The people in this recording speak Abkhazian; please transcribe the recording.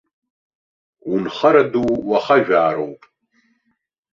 Унхара ду уахажәаароуп.